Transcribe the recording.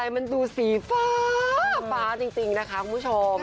มันดูสีฟ้าฟ้าจริงนะคะคุณผู้ชม